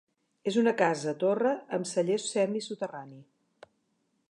És una casa-torre amb celler semisoterrani.